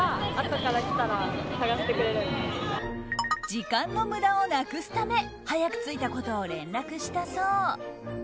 時間の無駄をなくすため早く着いたことを連絡したそう。